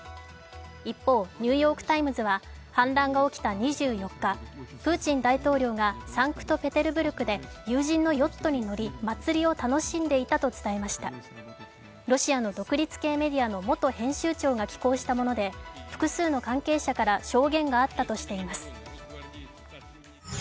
一方、「ニューヨーク・タイムズ」は反乱が起きた２４日、プーチン大統領がサンクトペテルブルクで友人のヨットに乗り、祭りを楽しんでいたと伝えましたロシアの独立系メディアの元編集長が寄稿したもので複数の関係者から証言があったとしています。